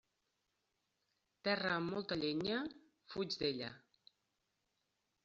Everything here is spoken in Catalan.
Terra amb molta llenya, fuig d'ella.